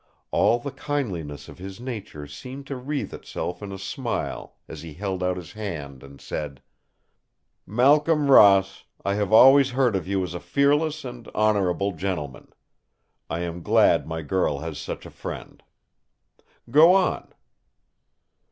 All the kindliness of his nature seemed to wreath itself in a smile as he held out his hand and said: "Malcolm Ross, I have always heard of you as a fearless and honourable gentleman. I am glad my girl has such a friend! Go on!"